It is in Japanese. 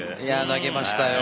投げましたよ。